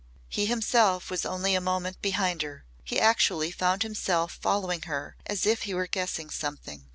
He himself was only a moment behind her. He actually found himself following her as if he were guessing something.